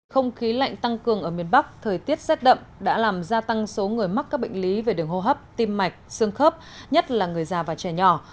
không khí lạnh tăng cường ở miền bắc thời tiết rét đậm đã làm gia tăng số người mắc các bệnh lý về đường hô hấp tim mạch xương khớp nhất là người già và trẻ nhỏ